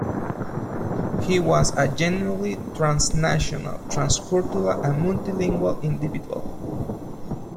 He was a genuinely 'transnational transcultural and multilingual' individual.